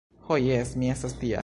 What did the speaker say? Ho jes! mi estas tia.